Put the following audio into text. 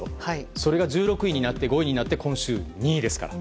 それが１６位になって５位になって、今週２位ですから。